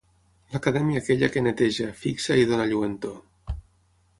L'Acadèmia aquella que neteja, fixa i dóna lluentor.